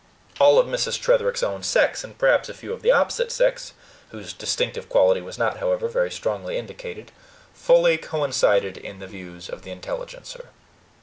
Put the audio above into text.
All of Mrs. Tretherick's own sex, and perhaps a few of the opposite sex, whose distinctive quality was not, however, very strongly indicated, fully coincided in the views of the INTELLIGENCER.